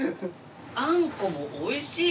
あんこも美味しい！